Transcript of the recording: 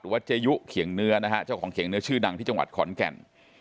เจยุเขียงเนื้อนะฮะเจ้าของเขียงเนื้อชื่อดังที่จังหวัดขอนแก่น